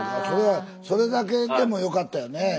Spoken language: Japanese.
それはそれだけでもよかったよね。